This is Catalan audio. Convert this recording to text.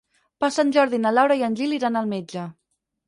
Per Sant Jordi na Laura i en Gil iran al metge.